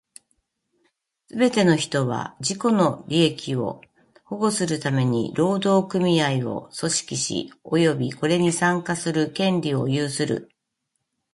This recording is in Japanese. すべて人は、自己の利益を保護するために労働組合を組織し、及びこれに参加する権利を有する。